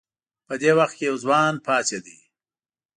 په دې وخت کې یو ځوان پاڅېد.